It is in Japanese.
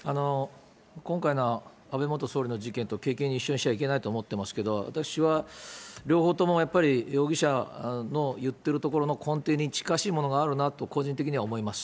今回の安倍元総理の事件と軽々に一緒にしちゃいけないと思っていますけれども、私は両方ともやっぱり容疑者の言ってるところの根底に近しいものがあるなと、個人的には思います。